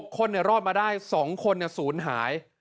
๖คนรอดมาได้๒คนสูญหาย